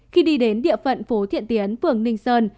khi đi đến địa phận phố thiện tiến phường ninh sơn